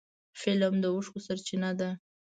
فلم د اوښکو سرچینه ده